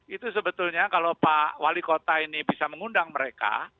itu sebetulnya kalau pak wali kota ini bisa mengundang mereka